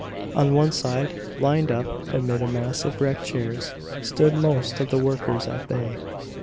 On one side, lined up amid a mass of wrecked chairs, stood most of the workers at bay.